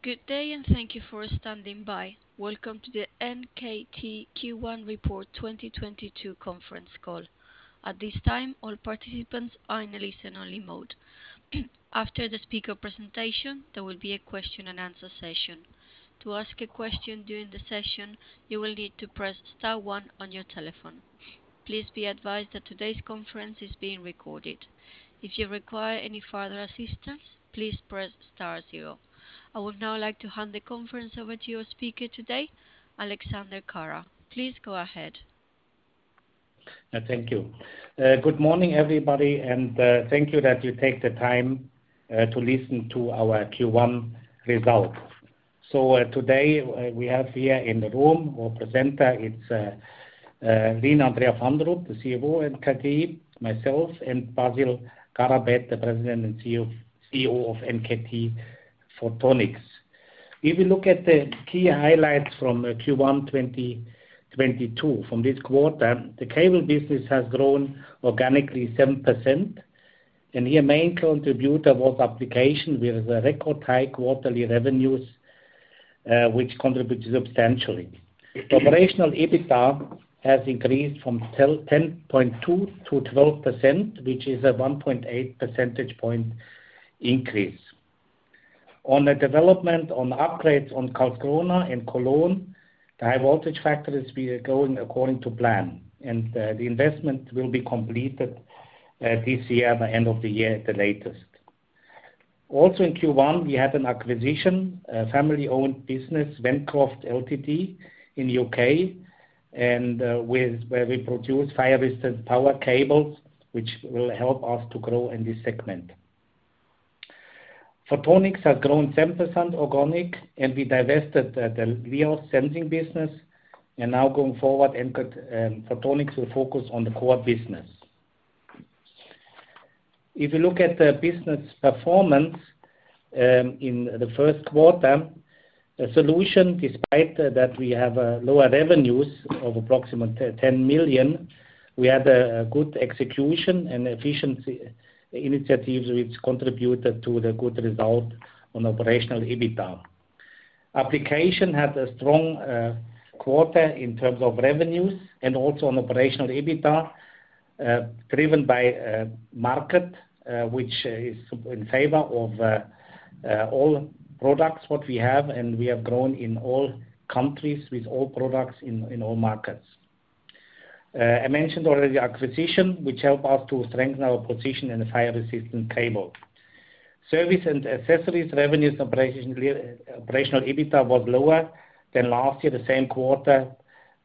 Good day and thank you for standing by. Welcome to the NKT Q1 Report 2022 conference call. At this time, all participants are in a listen only mode. After the speaker presentation, there will be a question and answer session. To ask a question during the session, you will need to press star one on your telephone. Please be advised that today's conference is being recorded. If you require any further assistance, please press star zero. I would now like to hand the conference over to your speaker today, Alexander Kara. Please go ahead. Thank you. Good morning, everybody, and thank you that you take the time to listen to our Q1 results. Today we have here in the room our presenter. It's Line Andrea Fandrup, the CFO NKT, myself and Basil Garabet, the President and CEO of NKT Photonics. If you look at the key highlights from Q1 2022, from this quarter, the cable business has grown organically 7%. Here, main contributor was application with a record high quarterly revenues, which contributed substantially. Operational EBITDA has increased from 10.2% to 12%, which is a 1.8 percentage point increase. On the development on upgrades on Karlskrona and Cologne, the high voltage factory is going according to plan, and the investment will be completed this year by end of the year at the latest. Also in Q1, we had an acquisition, a family-owned business, Ventcroft Ltd. in U.K. and where we produce fire-resistant power cables which will help us to grow in this segment. Photonics has grown 7% organic and we divested the LIOS sensing business. Now going forward NKT Photonics will focus on the core business. If you look at the business performance in the first quarter, the solution, despite that we have lower revenues of approximately 10 million, we had a good execution and efficiency initiatives which contributed to the good result on operational EBITDA. Application had a strong quarter in terms of revenues and also on operational EBITDA driven by market which is in favor of all products what we have. We have grown in all countries with all products in all markets. I mentioned already acquisition which help us to strengthen our position in the fire-resistant cable. Service and accessories revenues operational EBITDA was lower than last year the same quarter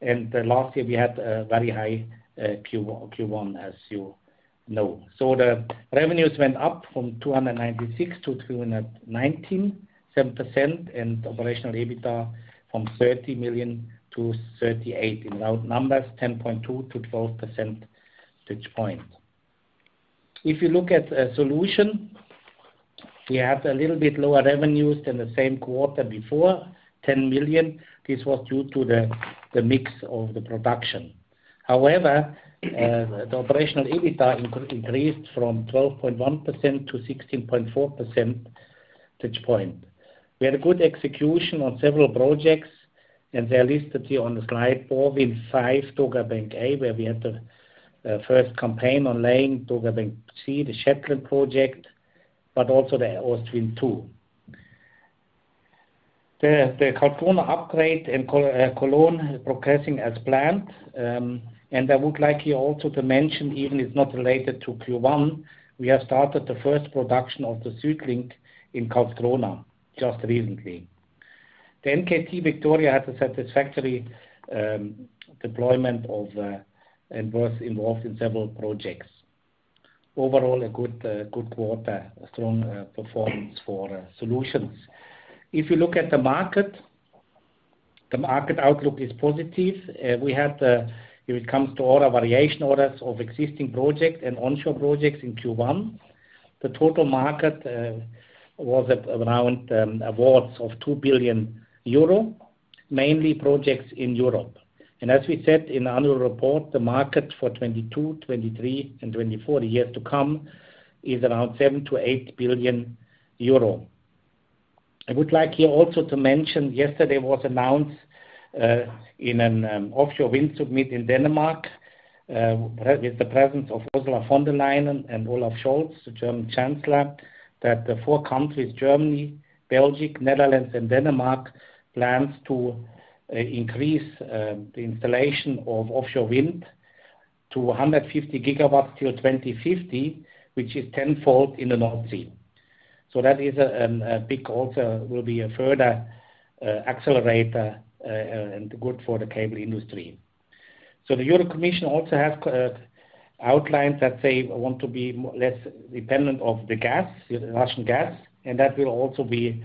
and last year we had a very high Q1 as you know. The revenues went up from 296 million to 297 million and operational EBITDA from 30 million to 38 million. In round numbers 10.2%-12% percentage points. If you look at Solutions, we have a little bit lower revenues than the same quarter before, 10 million. This was due to the mix of the production. However, the operational EBITDA increased from 12.1% to 16.4% percentage points. We had a good execution on several projects and they are listed here on slide four, Wind Farm, Dogger Bank A, where we had the first campaign on laying Dogger Bank C, the Shetland project, but also the Ostwind 2. The Karlskrona upgrade in Cologne is progressing as planned. I would like you also to mention, even if not related to Q1, we have started the first production of the SuedLink in Karlskrona just recently. The NKT Victoria had a satisfactory deployment and was involved in several projects. Overall a good quarter. A strong performance for solutions. If you look at the market, the market outlook is positive. We had, if it comes to order variation orders of existing projects and onshore projects in Q1, the total market was at around awards of 2 billion euro, mainly projects in Europe. As we said in the annual report, the market for 2022, 2023 and 2024 years to come is around 7 billion-8 billion euro. I would like here also to mention yesterday was announced in an offshore wind summit in Denmark with the presence of Ursula von der Leyen and Olaf Scholz, the German Chancellor, that the four countries, Germany, Belgium, Netherlands and Denmark, plan to increase the installation of offshore wind to 150 GW till 2050, which is tenfold in the North Sea. That will also be a further accelerator and good for the cable industry. The European Commission also have outlined that they want to be less dependent on Russian gas, and that will also be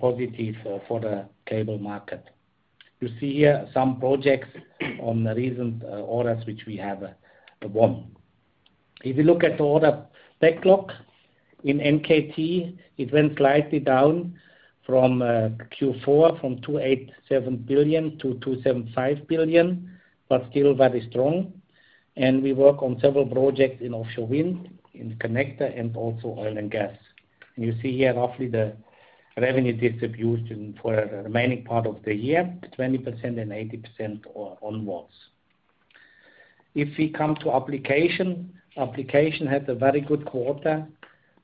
positive for the cable market. You see here some projects of the recent orders which we have won. If you look at the order backlog in NKT, it went slightly down from Q4, 2.87 billion to 2.75 billion, but still very strong. We work on several projects in offshore wind, in interconnectors and also oil and gas. You see here roughly the revenue distribution for the remaining part of the year, 20% onshore and 80% offshore. If we come to Applications. Applications had a very good quarter.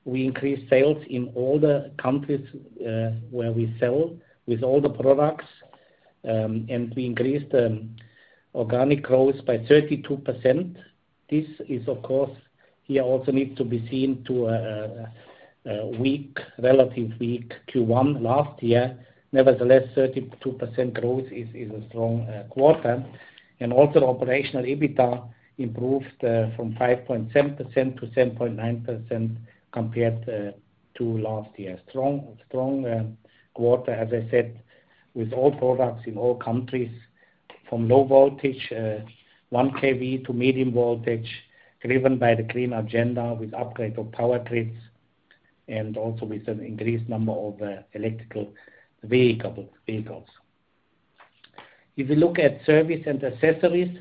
We increased sales in all the countries where we sell with all the products. We increased organic growth by 32%. This of course also needs to be seen in relation to a relatively weak Q1 last year. Nevertheless, 32% growth is a strong quarter. Also, operational EBITDA improved from 5.7% to 7.9% compared to last year. Strong quarter, as I said, with all products in all countries from low voltage 1 kV to medium voltage, driven by the clean agenda with upgrade of power grids and also with an increased number of electric vehicles. If you look at service and accessories,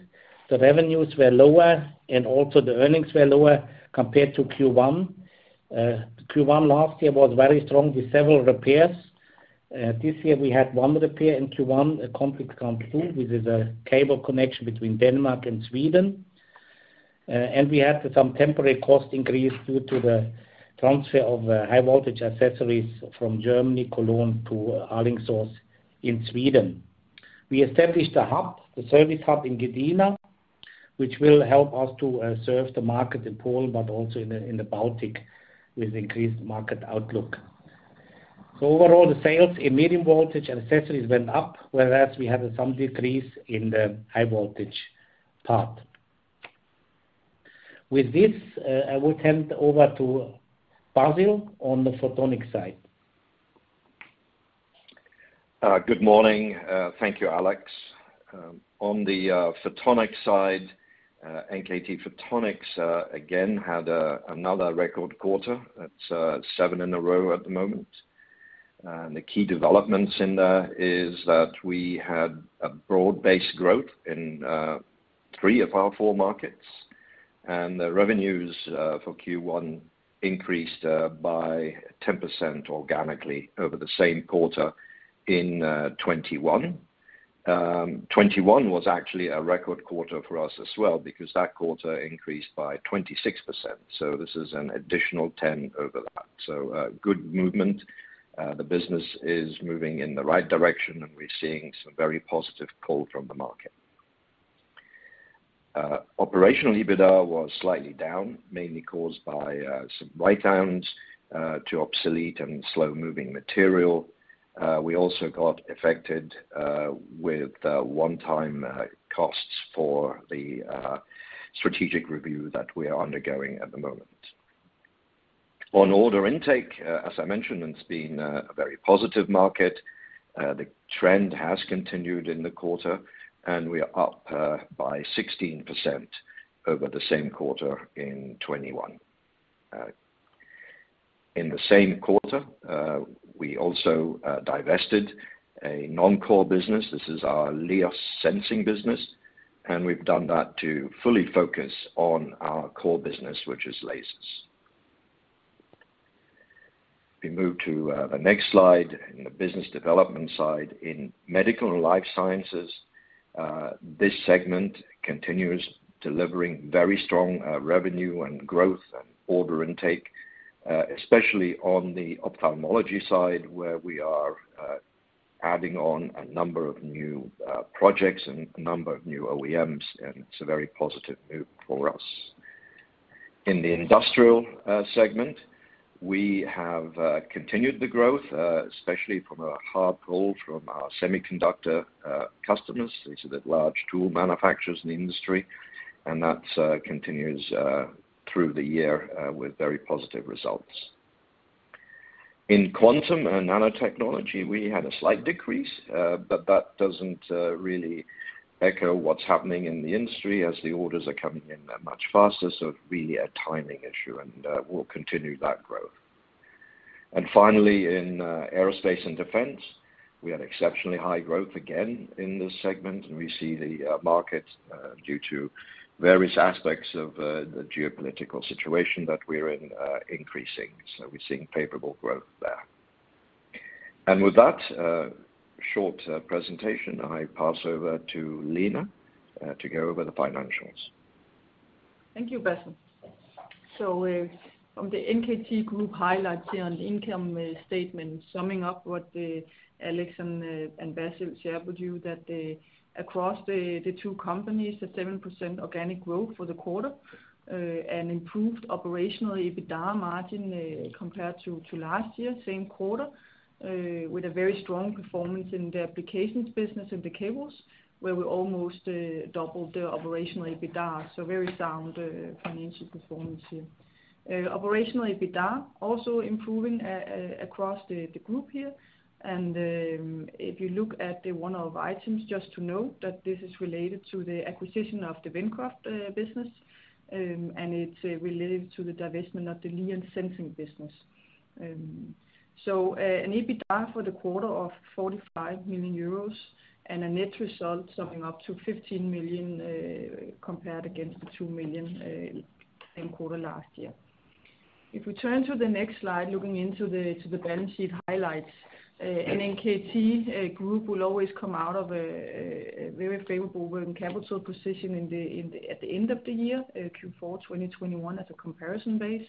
the revenues were lower and also the earnings were lower compared to Q1. Q1 last year was very strong with several repairs. This year we had one repair in Q1, a complex compound, which is a cable connection between Denmark and Sweden. We had some temporary cost increase due to the transfer of high voltage accessories from Germany, Cologne to Alingsås in Sweden. We established a hub, a service hub in Gdynia, which will help us to serve the market in Poland but also in the Baltic with increased market outlook. Overall the sales in medium voltage and accessories went up, whereas we had some decrease in the high voltage part. With this, I will hand over to Basil on the Photonics side. Good morning. Thank you, Alex. On the Photonics side, NKT Photonics again had another record quarter. That's seven in a row at the moment. The key developments in there is that we had a broad-based growth in three of our four markets. The revenues for Q1 increased by 10% organically over the same quarter in 2021. 2021 was actually a record quarter for us as well because that quarter increased by 26%. This is an additional 10% on top. Good movement. The business is moving in the right direction, and we're seeing some very positive pull from the market. Operational EBITDA was slightly down, mainly caused by some write-downs to obsolete and slow-moving material. We also got affected with one-time costs for the strategic review that we are undergoing at the moment. On order intake, as I mentioned, it's been a very positive market. The trend has continued in the quarter, and we are up by 16% over the same quarter in 2021. In the same quarter, we also divested a non-core business. This is our LIOS Sensing business, and we've done that to fully focus on our core business, which is lasers. We move to the next slide in the business development side in Medical and Life Sciences. This segment continues delivering very strong revenue and growth and order intake, especially on the ophthalmology side, where we are adding on a number of new projects and a number of new OEMs, and it's a very positive move for us. In the industrial segment, we have continued the growth, especially from a hard pull from our semiconductor customers. These are the large tool manufacturers in the industry, and that continues through the year with very positive results. In Quantum and Nanotechnology, we had a slight decrease, but that doesn't really echo what's happening in the industry as the orders are coming in there much faster. It's really a timing issue and we'll continue that growth. Finally in Aerospace and Defense, we had exceptionally high growth again in this segment, and we see the market due to various aspects of the geopolitical situation that we're in, increasing. We're seeing favorable growth there. With that, short presentation, I pass over to Line to go over the financials. Thank you, Basil. From the NKT group highlights here on the income statement, summing up what Alex and Basil shared with you, that across the two companies, a 7% organic growth for the quarter, and improved operational EBITDA margin, compared to last year, same quarter, with a very strong performance in the applications business in the cables, where we almost doubled the operational EBITDA. Very sound financial performance here. Operational EBITDA also improving across the group here. If you look at the one-off items, just to note that this is related to the acquisition of the Ventcroft business, and it's related to the divestment of the LIOS Sensing business. An EBITDA for the quarter of 45 million euros and a net result summing up to 15 million, compared against 2 million same quarter last year. If we turn to the next slide, looking into the balance sheet highlights. NKT Group will always come out of a very favorable working capital position in the at the end of the year, Q4 2021 as a comparison base.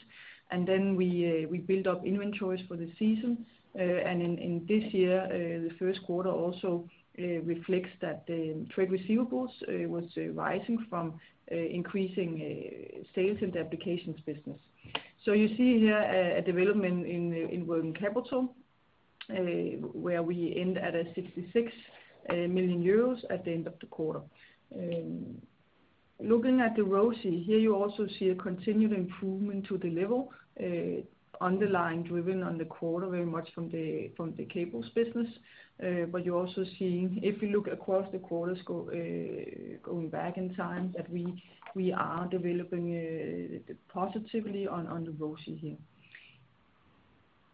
We build up inventories for the season. In this year, the first quarter also reflects that the trade receivables was rising from increasing sales in the applications business. So you see here a development in working capital, where we end at 66 million euros at the end of the quarter. Looking at the ROIC, here you also see a continued improvement to the level underlying driven on the quarter very much from the cables business. But you're also seeing, if you look across the quarters going back in time, that we are developing positively on the ROIC here.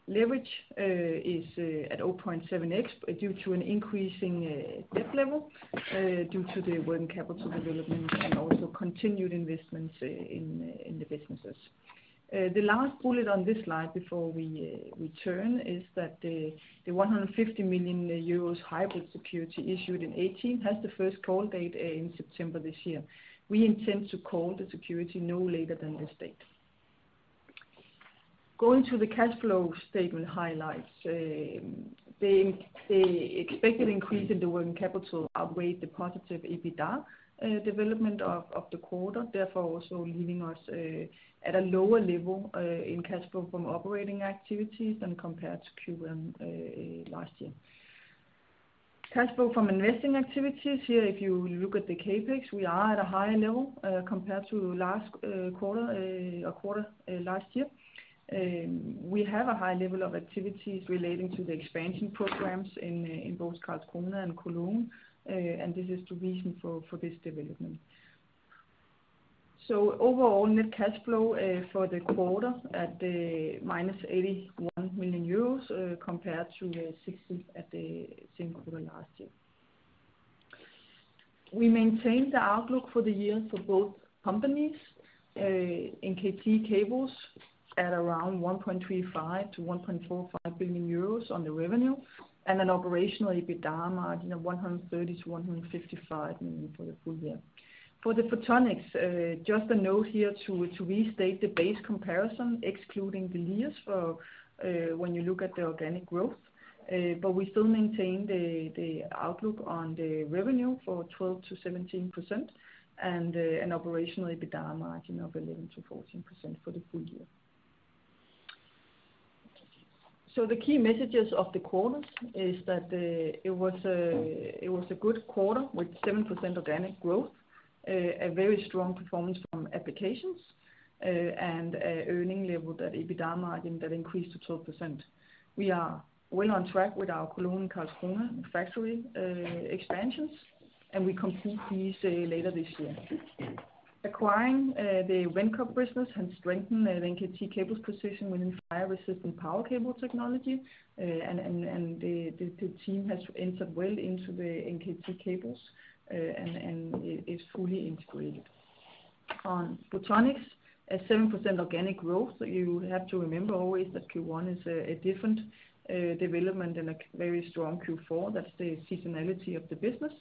Leverage is at 0.7x due to an increasing debt level due to the working capital development and also continued investments in the businesses. The last bullet on this slide before we turn is that the 150 million euros hybrid security issued in 2018 has the first call date in September this year. We intend to call the security no later than this date. Going to the cash flow statement highlights. The expected increase in the working capital outweighed the positive EBITDA development of the quarter, therefore also leaving us at a lower level in cash flow from operating activities than compared to Q1 last year. Cash flow from investing activities. Here, if you look at the CapEx, we are at a higher level compared to last quarter or quarter last year. We have a high level of activities relating to the expansion programs in both Karlskrona and Cologne, and this is the reason for this development. Overall net cash flow for the quarter at minus 81 million euros, compared to 60 million at the same quarter last year. We maintain the outlook for the year for both companies. NKT Cables at around 1.35-1.45 billion euros on the revenue, and an operational EBITDA margin of 130-155 million for the full year. For the Photonics, just a note here to restate the base comparison, excluding the LIOS for when you look at the organic growth. We still maintain the outlook on the revenue for 12%-17% and an operational EBITDA margin of 11%-14% for the full year. The key messages of the quarter is that it was a good quarter with 7% organic growth, a very strong performance from applications, and an earning level that EBITDA margin increased to 12%. We are well on track with our Cologne and Karlskrona factory expansions, and we complete these later this year. Acquiring the Ventcroft business has strengthened the NKT Cables position within fire-resistant power cable technology. The team has entered well into the NKT Cables, and it is fully integrated. On Photonics, 7% organic growth, you have to remember always that Q1 is a different development and a very strong Q4. That's the seasonality of the business.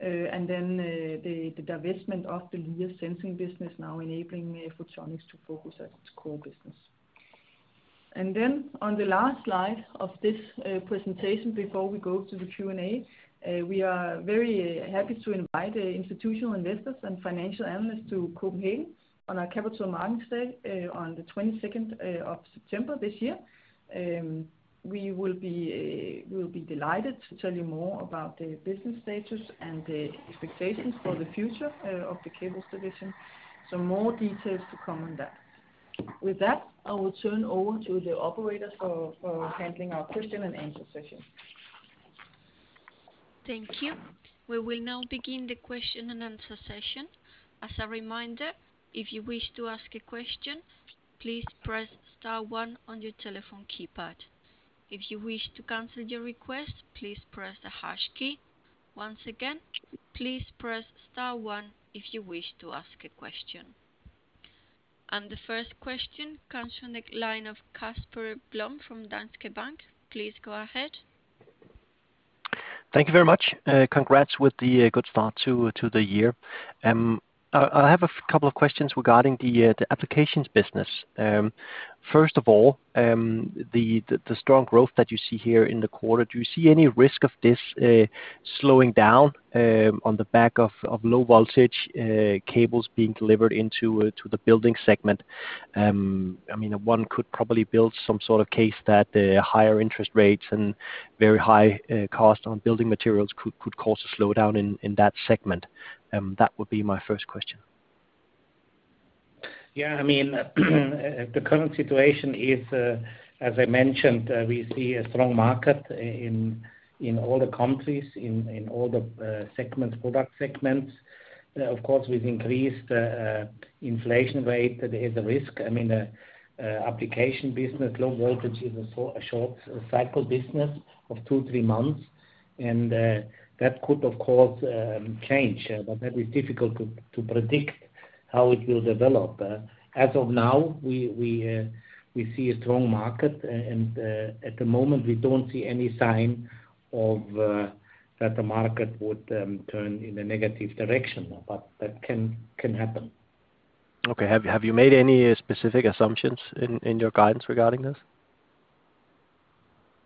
The divestment of the LIOS Sensing business now enabling Photonics to focus on its core business. On the last slide of this presentation before we go to the Q&A, we are very happy to invite institutional investors and financial analysts to Copenhagen on our Capital Markets Day on the twenty-second of September this year. We will be delighted to tell you more about the business status and the expectations for the future of the Cables division. More details to come on that. With that, I will turn over to the operator for handling our question and answer session. Thank you. We will now begin the question and answer session. As a reminder, if you wish to ask a question, please press star one on your telephone keypad. If you wish to cancel your request, please press the hash key. Once again, please press star one if you wish to ask a question. The first question comes from the line of Casper Blom from Danske Bank. Please go ahead. Thank you very much. Congrats with the good start to the year. I have a couple of questions regarding the applications business. First of all, the strong growth that you see here in the quarter, do you see any risk of this slowing down on the back of low voltage cables being delivered into the building segment? I mean, one could probably build some sort of case that the higher interest rates and very high cost on building materials could cause a slowdown in that segment. That would be my first question. Yeah, I mean, the current situation is, as I mentioned, we see a strong market in all the countries, in all the segments, product segments. Of course, we see increased inflation rate is a risk. I mean, applications business, low voltage is a short cycle business of two, three months. That could, of course, change. That is difficult to predict how it will develop. As of now, we see a strong market and, at the moment, we don't see any sign that the market would turn in a negative direction. That can happen. Okay. Have you made any specific assumptions in your guidance regarding this?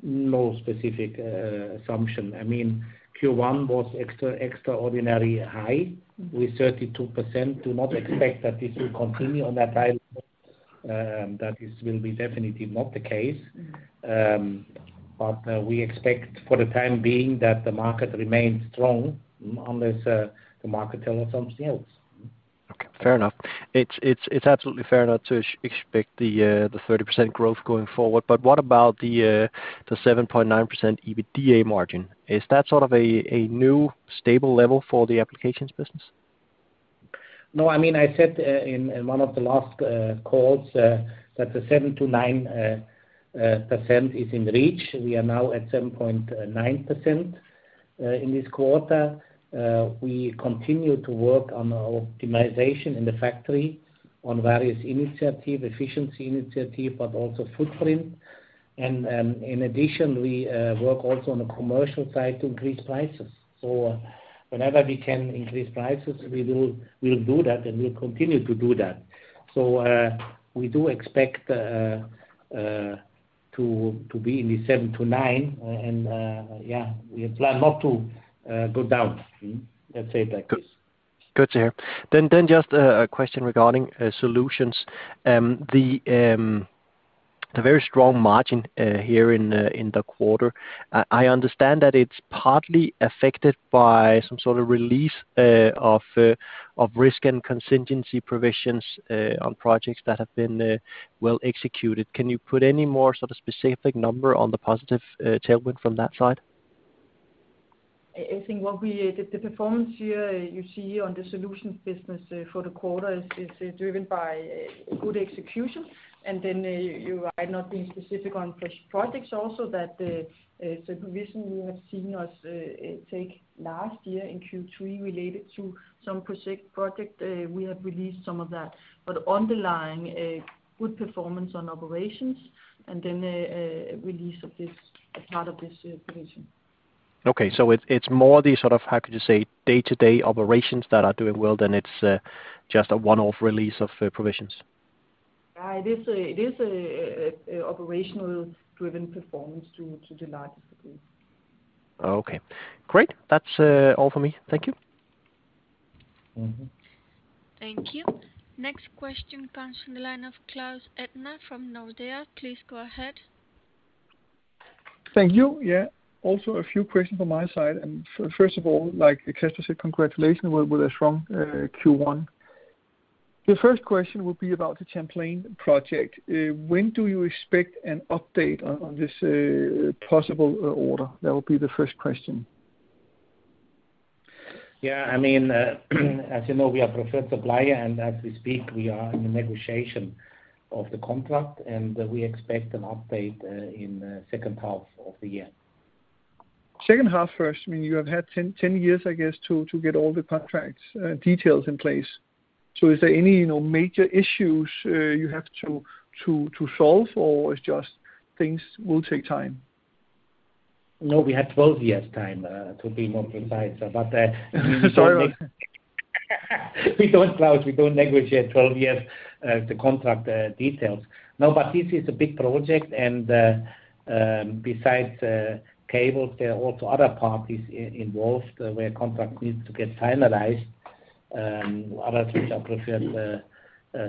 No specific assumption. I mean, Q1 was extraordinary high with 32%. Do not expect that this will continue on that high. That is, will be definitely not the case. We expect for the time being that the market remains strong unless the market tells us something else. Okay. Fair enough. It's absolutely fair enough to expect the 30% growth going forward. What about the 7.9% EBITDA margin? Is that sort of a new stable level for the applications business? No. I mean, I said in one of the last calls that the 7%-9% is in reach. We are now at 7.9% in this quarter. We continue to work on optimization in the factory on various initiative, efficiency initiative, but also footprint. In addition, we work also on the commercial side to increase prices. Whenever we can increase prices, we'll do that, and we'll continue to do that. We do expect to be in the 7%-9% and, yeah, we plan not to go down. Let's say it like this. Good to hear. Just a question regarding solutions. The very strong margin here in the quarter, I understand that it's partly affected by some sort of release of risk and contingency provisions on projects that have been well executed. Can you put any more sort of specific number on the positive tailwind from that side? I think the performance here you see on the solutions business for the quarter is driven by good execution. You are not being specific on specific projects also that provision we have taken last year in Q3 related to some project. We have released some of that. Underlying good performance on operations and then a release of this part of this provision. Okay. It's more the sort of, how could you say, day-to-day operations that are doing well than it's just a one-off release of provisions. It is an operationally driven performance to the largest degree. Okay. Great. That's all for me. Thank you. Mm-hmm. Thank you. Next question comes from the line of Claus Almer from Nordea. Please go ahead. Thank you. Yeah. Also a few questions on my side. First of all, like Chester said, congratulations with a strong Q1. The first question would be about the Champlain project. When do you expect an update on this possible order? That would be the first question. Yeah. I mean, as you know, we are preferred supplier, and as we speak, we are in the negotiation of the contract, and we expect an update in second half of the year. Second half, first, I mean, you have had 10 years, I guess, to get all the contracts details in place. Is there any, you know, major issues you have to solve, or it's just things will take time? No, we had 12 years time, to be more precise. We don't- Sorry We don't, Claus, negotiate twelve years the contract details. No, this is a big project. Besides, cables, there are also other parties involved where contract needs to get finalized. Other preferred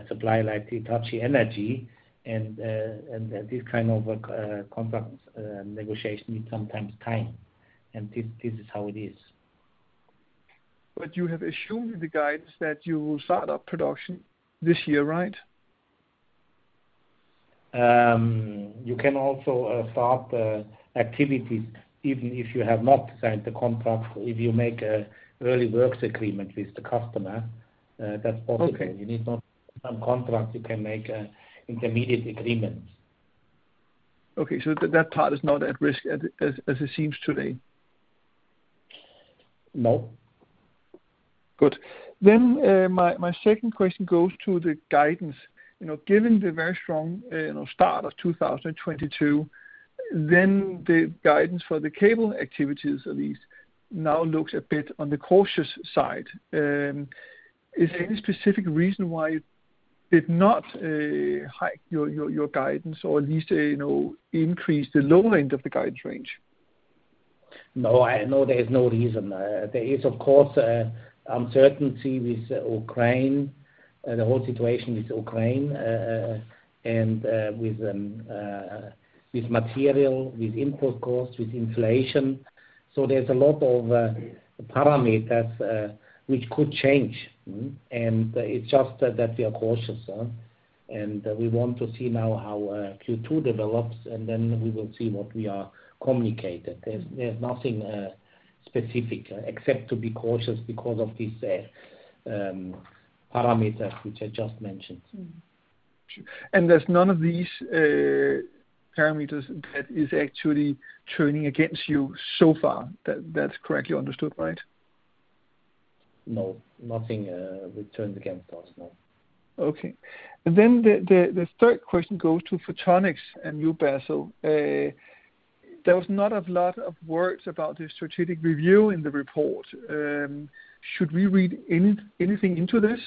supplier like Hitachi Energy and this kind of contract negotiation need sometimes time. This is how it is. You have assumed in the guidance that you will start up production this year, right? You can also start activities even if you have not signed the contract. If you make an early works agreement with the customer, that's possible. Okay. You need not sign contract. You can make intermediate agreement. That part is not at risk as it seems today. No. Good. My second question goes to the guidance. You know, given the very strong, you know, start of 2022, the guidance for the cable activities at least now looks a bit on the cautious side. Is there any specific reason why you did not hike your guidance or at least, you know, increase the low end of the guidance range? No, there is no reason. There is, of course, uncertainty with Ukraine, the whole situation with Ukraine, with material, with input cost, with inflation. There's a lot of parameters which could change. It's just that we are cautious, and we want to see now how Q2 develops, and then we will see what we have communicated. There's nothing specific except to be cautious because of these parameters which I just mentioned. Mm-hmm. Sure. There's none of these parameters that is actually turning against you so far. That, that's correctly understood, right? No, nothing, which turned against us, no. Okay. The third question goes to Photonics and you, Basil. There was not a lot of words about the strategic review in the report. Should we read anything into this?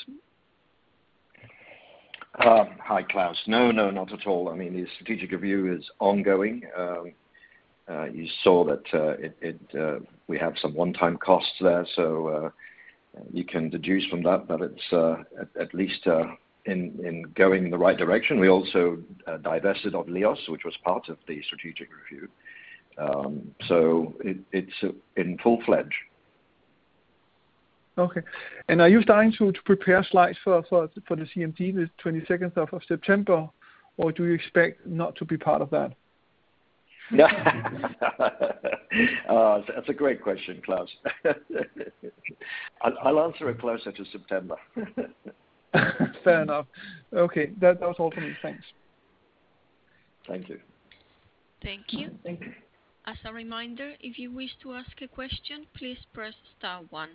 Hi, Claus. No, not at all. I mean, the strategic review is ongoing. You saw that it we have some one-time costs there, so you can deduce from that, but it's at least in going in the right direction. We also divested LIOS, which was part of the strategic review. It's in full-fledged. Okay. Are you starting to prepare slides for the CMD, the 22nd of September, or do you expect not to be part of that? That's a great question, Claus. I'll answer it closer to September. Fair enough. Okay. That was all for me. Thanks. Thank you. Thank you. As a reminder, if you wish to ask a question, please press star one.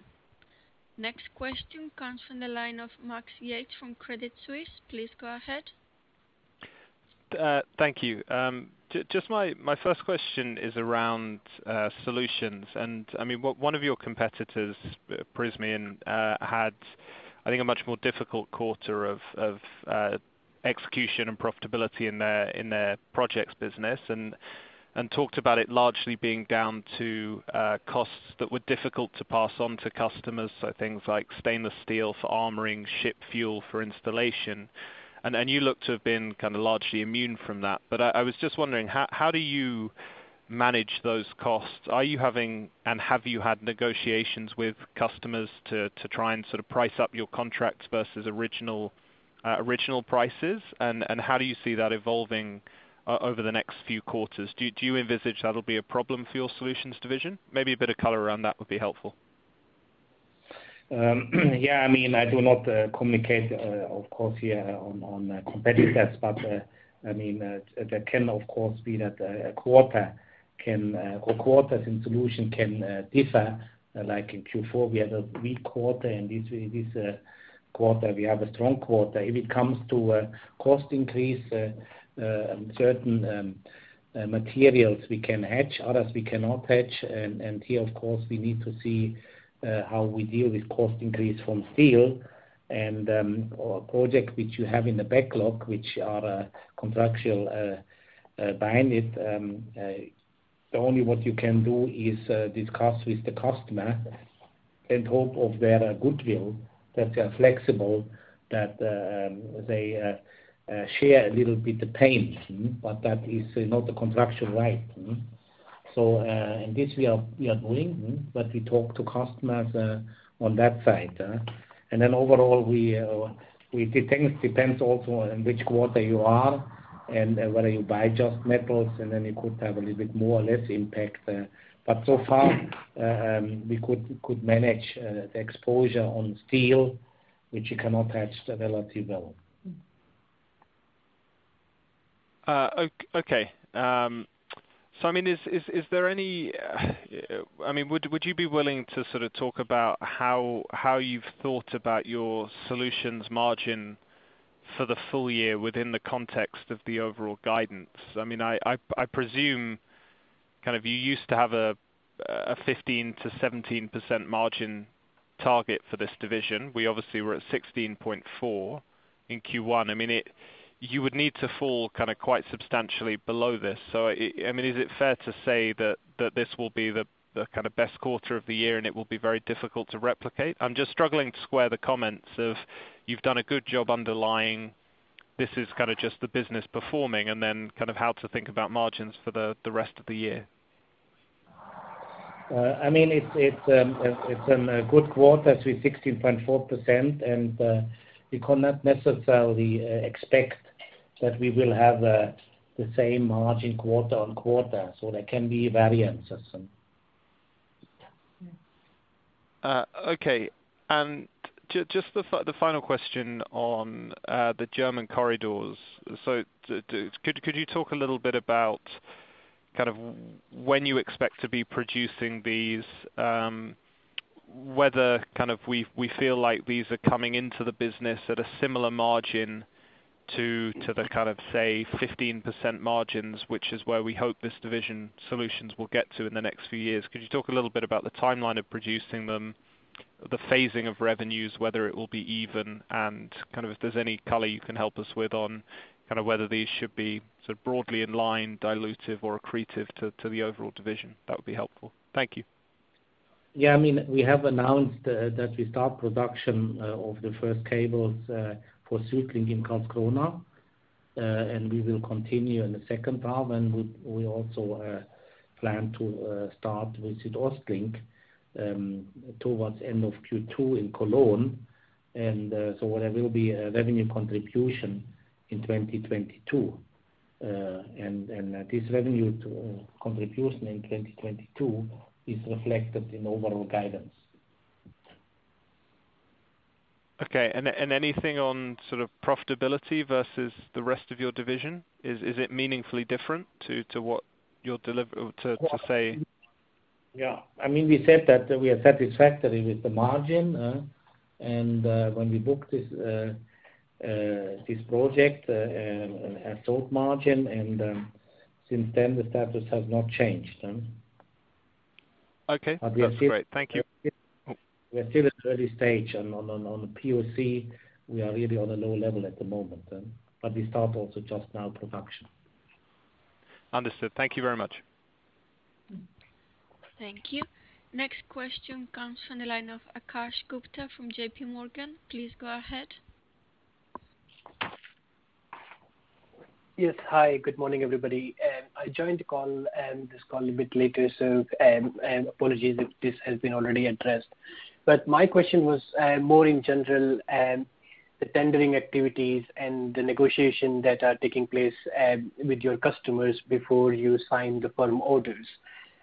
Next question comes from the line of Max Yates from Credit Suisse. Please go ahead. Thank you. Just my first question is around solutions. I mean, one of your competitors, Prysmian, had I think a much more difficult quarter of execution and profitability in their projects business and talked about it largely being down to costs that were difficult to pass on to customers, so things like stainless steel for armoring, ship fuel for installation. You look to have been kind of largely immune from that. I was just wondering how do you manage those costs? Are you having and have you had negotiations with customers to try and sort of price up your contracts versus original prices? How do you see that evolving over the next few quarters? Do you envisage that'll be a problem for your solutions division? Maybe a bit of color around that would be helpful. Yeah, I mean, I do not communicate, of course, here on competitors. There can of course be that a quarter can or quarters in isolation can differ. Like in Q4, we had a weak quarter, and this quarter we have a strong quarter. If it comes to a cost increase, certain materials we can hedge, others we cannot hedge. Here of course, we need to see how we deal with cost increase from steel and for projects which you have in the backlog, which are contractually binding. The only thing you can do is discuss with the customer and hope for their goodwill that they are flexible, that they share a little bit the pain. That is not the conventional way. We are doing this, but we talk to customers on that side. Then overall, it depends also on which quarter you are and whether you buy just metals, and then you could have a little bit more or less impact there. So far, we could manage the exposure on steel, which you cannot hedge it relatively well. Okay. I mean, is there any, I mean, would you be willing to sort of talk about how you've thought about your solutions margin for the full year within the context of the overall guidance? I mean, I presume kind of you used to have a 15%-17% margin target for this division. We obviously were at 16.4% in Q1. I mean, you would need to fall kind of quite substantially below this. I mean, is it fair to say that this will be the kind of best quarter of the year and it will be very difficult to replicate? I'm just struggling to square the comments of you've done a good job underlying this is kind of just the business performing and then kind of how to think about margins for the rest of the year. I mean, it's a good quarter to be 16.4%, and we cannot necessarily expect that we will have the same margin quarter-on-quarter. There can be variances. Okay. Just the final question on the German corridors. Could you talk a little bit about kind of when you expect to be producing these, whether kind of we feel like these are coming into the business at a similar margin to the kind of say 15% margins, which is where we hope this division solutions will get to in the next few years. Could you talk a little bit about the timeline of producing them, the phasing of revenues, whether it will be even, and kind of if there's any color you can help us with on kind of whether these should be sort of broadly in line, dilutive or accretive to the overall division? That would be helpful. Thank you. I mean, we have announced that we start production of the first cables for SuedLink in Karlskrona. We will continue in the second half, and we also plan to start with SuedOstLink towards end of Q2 in Cologne. There will be a revenue contribution in 2022. This revenue contribution in 2022 is reflected in overall guidance. Okay. Anything on sort of profitability versus the rest of your division? Is it meaningfully different to what you're or to say- Yeah. I mean, we said that we are satisfactory with the margin, and when we book this project at old margin, and since then the status has not changed. Okay. We are still. That's great. Thank you. We are still at early stage and on the POC we are really on a low level at the moment then. We start also just now production. Understood. Thank you very much. Thank you. Next question comes from the line of Akash Gupta from J.P. Morgan. Please go ahead. Yes. Hi, good morning, everybody. I joined this call a bit later, so apologies if this has been already addressed. My question was more in general the tendering activities and the negotiation that are taking place with your customers before you sign the firm orders.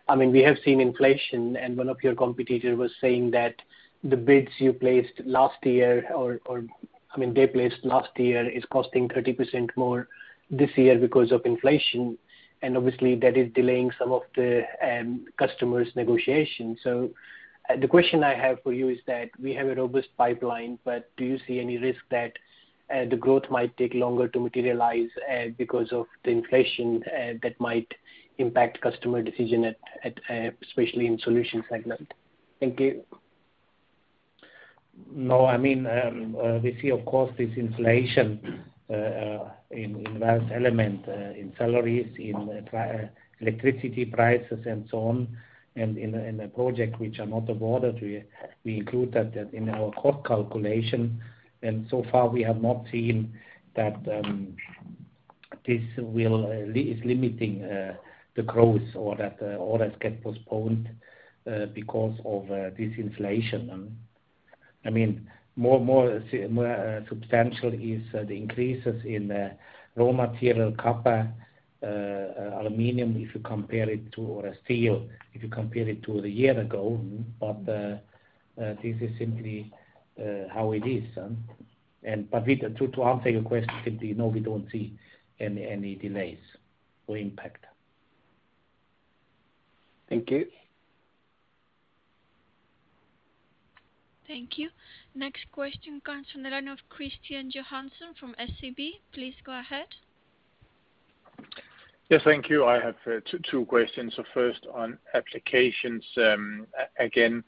I mean, we have seen inflation, and one of your competitor was saying that the bids you placed last year or I mean they placed last year is costing 30% more this year because of inflation. Obviously that is delaying some of the customers' negotiations. The question I have for you is that we have a robust pipeline, but do you see any risk that the growth might take longer to materialize because of the inflation that might impact customer decisions, especially in the Solutions segment? Thank you. No, I mean, we see of course this inflation in various element in salaries in electricity prices and so on. In a project which are not awarded, we include that in our cost calculation. So far we have not seen that this will limit the growth or that orders get postponed because of this inflation. I mean, more substantial is the increases in raw material, copper, aluminum, if you compare it to or steel, if you compare it to the year ago. This is simply how it is. To answer your question, simply, no, we don't see any delays or impact. Thank you. Thank you. Next question comes from the line of Kristian Johansen from SEB. Please go ahead. Yes, thank you. I have two questions. First on applications, again,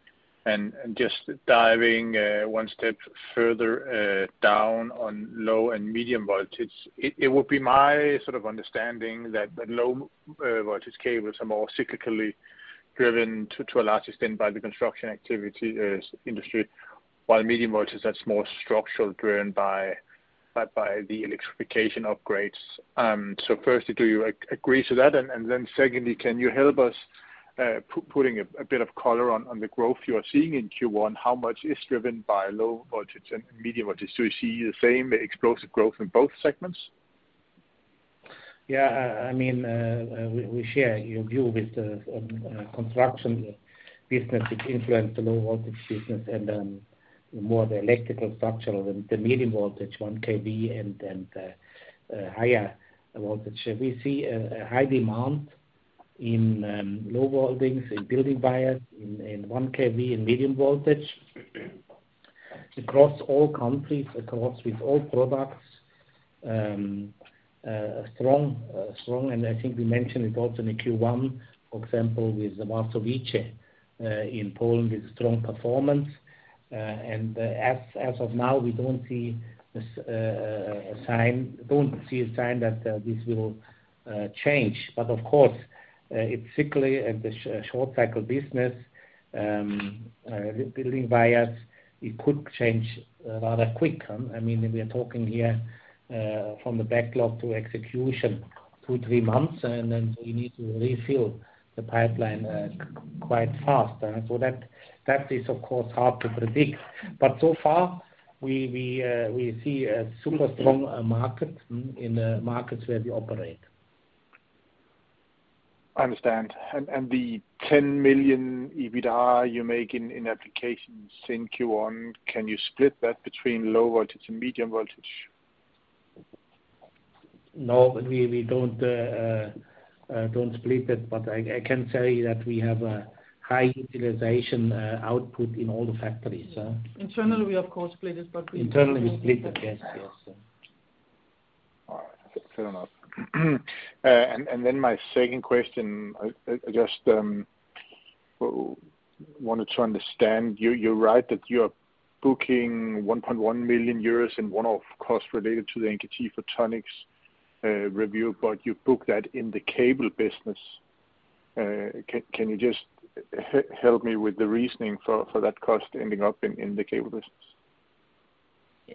and just diving one step further down on low and medium voltage. It would be my sort of understanding that the low voltage cables are more cyclically driven to a large extent by the construction activity industry. While medium voltage that's more structural driven by the electrification upgrades. Firstly, do you agree to that? Secondly, can you help us putting a bit of color on the growth you are seeing in Q1, how much is driven by low voltage and medium voltage? Do you see the same explosive growth in both segments? Yeah. We share your view with the construction business which influence the low voltage business and more the electrical structural and the medium voltage, 1 kV and higher voltage. We see a high demand in low voltage in building wires, in 1 kV in medium voltage. Across all countries with all products. Strong, and I think we mentioned it also in the Q1, for example, with the Warszowice in Poland with strong performance. As of now, we don't see a sign that this will change. Of course, it's cyclical and the short cycle business. Building wires, it could change rather quick. I mean, we are talking here from the backlog to execution, 2-3 months, and then we need to refill the pipeline quite fast. That is of course hard to predict. So far we see a super strong market in the markets where we operate. I understand. The 10 million EBITDA you make in applications in Q1, can you split that between low voltage and medium voltage? No. We don't split it, but I can say that we have a high utilization output in all the factories. Internally, we of course split it. Internally we split it. Yes, yes. All right. Fair enough. My second question. I just wanted to understand, you write that you are booking 1.1 million euros in one-off costs related to the NKT Photonics review, but you book that in the cable business. Can you just help me with the reasoning for that cost ending up in the cable business?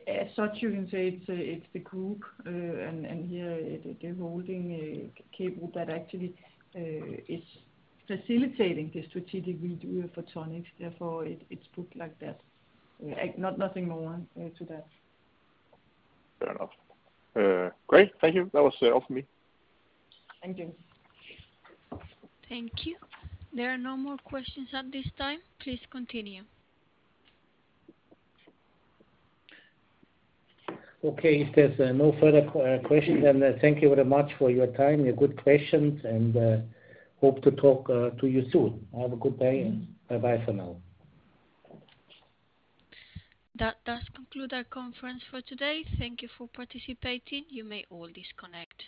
As such, you can say it's the group, and here the holding company that actually is facilitating the strategic review of photonics. Therefore, it's booked like that. Nothing more to that. Fair enough. Great. Thank you. That was all for me. Thank you. Thank you. There are no more questions at this time. Please continue. Okay. If there's no further questions, then thank you very much for your time, your good questions, and hope to talk to you soon. Have a good day. Bye-bye for now. That does conclude our conference for today. Thank you for participating. You may all disconnect.